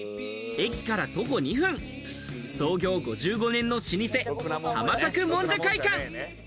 駅から徒歩２分、創業５５年の老舗浜作もんじゃ会館。